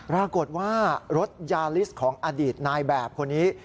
ปรากฏว่ารถยาลิสต์ของอดีตนายแบบคนนี้